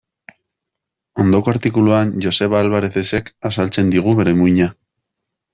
Ondoko artikuluan Joseba Alvarerezek azaltzen digu bere muina.